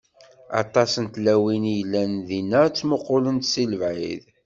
Aṭas n tlawin i yellan dinna, ttmuqulent si lebɛid.